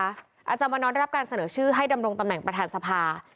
อาจารย์วันนอนได้รับการเสนอชื่อให้ดำรงตำแหน่งประธานสภา